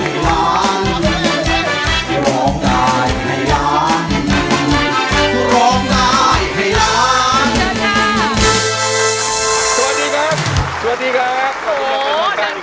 เพลงนี้อยู่ในอาราบัมชุดแรกของคุณแจ็คเลยนะครับ